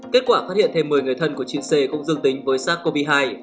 kết quả phát hiện thêm một mươi người thân của chị c cũng dương tính với sars cov hai